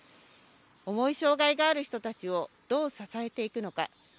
重い障害がある人たちをどう支えていくのか。